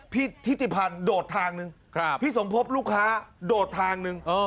พี่ธิติพันธ์โดดทางหนึ่งครับพี่สมภพลูกค้าโดดทางหนึ่งอ๋อ